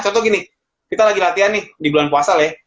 contoh gini kita lagi latihan nih di bulan puasa lah ya